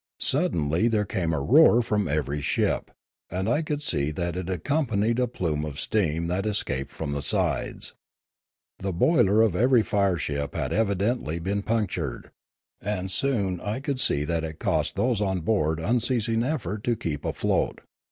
Suddenly there came a roar from every ship; and I could see that it accompanied a plume of steam that escaped from the sides. The boiler of every fire ship had evidently been punctured; and soon I could see that it cost those on board unceasing effort to keep afloat.